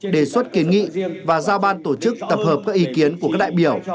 đề xuất kiến nghị và giao ban tổ chức tập hợp các ý kiến của các đại biểu